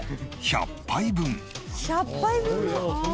１００杯分も。